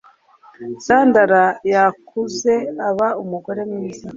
Sandra yakuze aba umugore mwiza